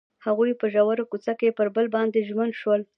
هغوی په ژور کوڅه کې پر بل باندې ژمن شول.